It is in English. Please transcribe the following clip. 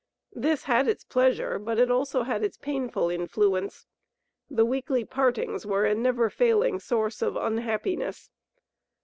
This had its pleasure, it also had its painful influence. The weekly partings were a never failing source of unhappiness.